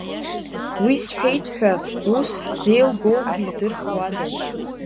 Уи сҳәеит ҳәа, ус ҳзеилгоугьы здырхуада!